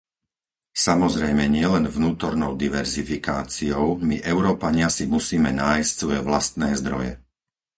Samozrejme nielen vnútornou diverzifikáciou - my Európania si musíme nájsť svoje vlastné zdroje.